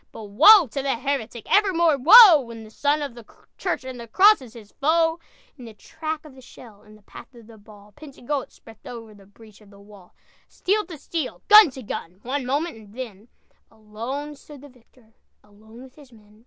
But woe to the heretic, Evermore woe! When the son of the church And the cross is his foe! "In the track of the shell, In the path of the ball, Pentagoet swept over The breach of the wall! Steel to steel, gun to gun, One moment, and then Alone stood the victor, Alone with his men!